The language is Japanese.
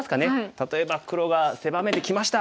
例えば黒が狭めてきました。